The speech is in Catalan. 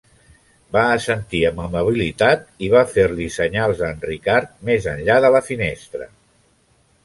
Va assentir amb amabilitat i va fer-li senyals a en Ricardo més enllà de la finestra.